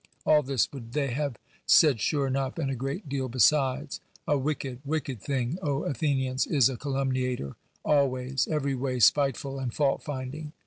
All this would they have said sure enough, and a great deal besides. A wicked, wicked thing, Athenians, is a calumni ator always, every way spiteful and faultfinding.